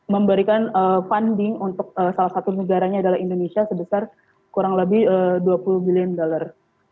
memberikan funding untuk salah satu negaranya adalah indonesia sebesar kurang lebih dua puluh billion dollar